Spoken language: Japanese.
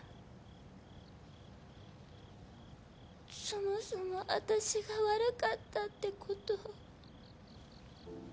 そもそも私が悪かったって事？